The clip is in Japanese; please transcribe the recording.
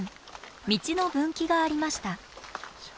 道の分岐がありました。